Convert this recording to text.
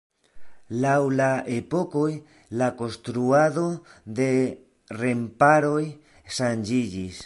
Laŭ la epokoj la konstruado de remparoj ŝanĝiĝis.